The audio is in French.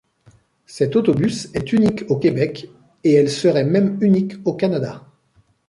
Cet autobus est unique au Québec et elle serait même unique au Canada.